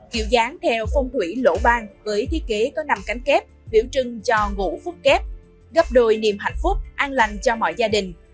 kiểu dáng theo phong thủy lỗ bang với thiết kế có năm cánh kép biểu trưng cho ngủ phút kép gấp đôi niềm hạnh phúc an lành cho mọi gia đình